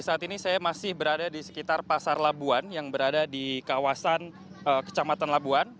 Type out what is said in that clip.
saat ini saya masih berada di sekitar pasar labuan yang berada di kawasan kecamatan labuan